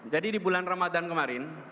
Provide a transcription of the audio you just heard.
jadi di bulan ramadhan kemarin